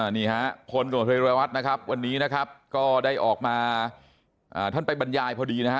นี่ฮะพลตรวจเรวัตรนะครับวันนี้นะครับก็ได้ออกมาท่านไปบรรยายพอดีนะฮะ